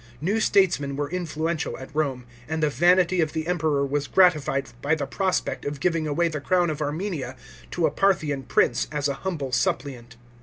New statesmen were influential at Rome, and the vanity of the Empevor was gratified by the prospect of giving away the crown of Armenia to a Parthian prince as a humble suppliant.